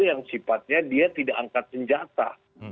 yang sifatnya dia tidak angkat senjata